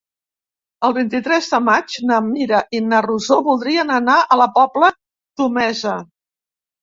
El vint-i-tres de maig na Mira i na Rosó voldrien anar a la Pobla Tornesa.